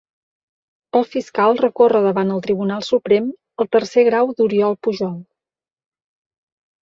El fiscal recorre davant el Tribunal Suprem el tercer grau d'Oriol Pujol